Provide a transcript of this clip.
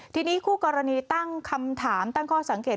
ทีนี้คู่กรณีตั้งคำถามตั้งข้อสังเกต